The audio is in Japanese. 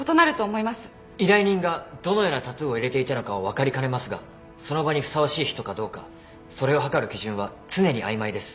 依頼人がどのようなタトゥーを入れていたのかは分かりかねますがその場にふさわしい人かどうかそれを測る基準は常に曖昧です。